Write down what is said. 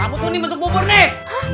rambutku ini masuk bubur nih